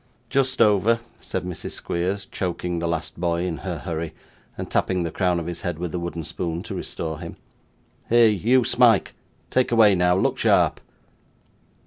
'Just over,' said Mrs. Squeers, choking the last boy in her hurry, and tapping the crown of his head with the wooden spoon to restore him. 'Here, you Smike; take away now. Look sharp!